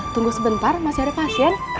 tunggu sebentar masih ada pasien